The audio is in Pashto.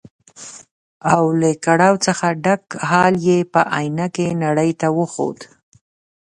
او له کړاو څخه ډک حال یې په ائينه کې نړۍ ته وښود.